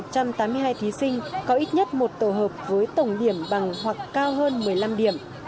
có năm trăm ba mươi một một trăm tám mươi hai thí sinh có ít nhất một tổ hợp với tổng điểm bằng hoặc cao hơn một mươi năm điểm